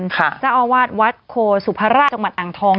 เจ้าอาวาสวัดโคสุภาราชจังหวัดอ่างทอง